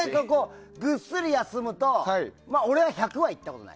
ぐっすり休むと俺は１００は行ったことはない。